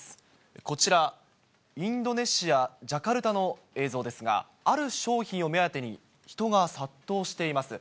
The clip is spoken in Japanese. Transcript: こちら、インドネシア・ジャカルタの映像ですが、ある商品を目当てに、人が殺到しています。